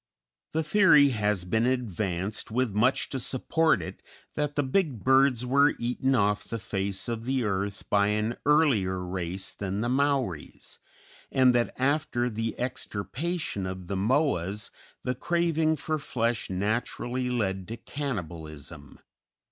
The theory has been advanced, with much to support it, that the big birds were eaten off the face of the earth by an earlier race than the Maoris, and that after the extirpation of the Moas the craving for flesh naturally led to cannibalism.